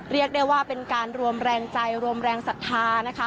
เรียกได้ว่าเป็นการรวมแรงใจรวมแรงศรัทธานะคะ